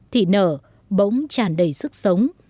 thị nở bỗng tràn đầy sức sống